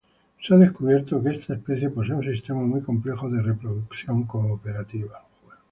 Se ha descubierto que esta especie posee un sistema muy complejo de reproducción cooperativa.